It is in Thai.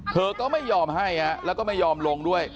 เธอก็ไม่ยอมให้แล้วก็ไม่ยอมลงด้วย